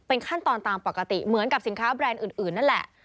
ขั้นตอนตามปกติเหมือนกับสินค้าแบรนด์อื่นนั่นแหละ